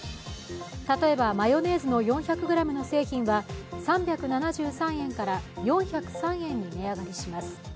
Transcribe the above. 例えば、マヨネーズの４００ｇの製品は、３７３円から４０３円に値上がりします。